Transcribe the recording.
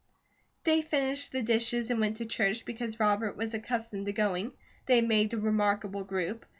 They finished the dishes and went to church, because Robert was accustomed to going. They made a remarkable group.